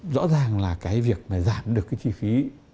rõ ràng là cái việc mà giảm được cái chi phí